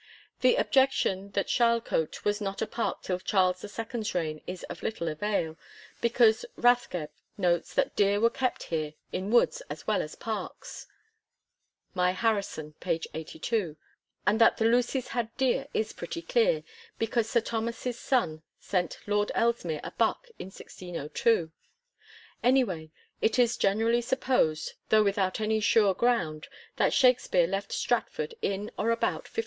The objection that Charlecote was not a park till Charles II.'s reign is of little avail, because Rathgeb notes that deer were kept here in woods as well as parks (my Harrison^ p. 82), and that the Lucys had deer is pretty clear, because Sir Thomas's son sent Lord Ellesmere a buck in 1602. Anyway, it is generally supposed, though without any sure ground, that Shakspere left Stratford in or about 1586.